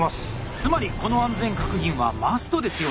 つまりこの安全確認はマストですよね。